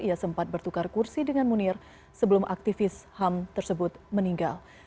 ia sempat bertukar kursi dengan munir sebelum aktivis ham tersebut meninggal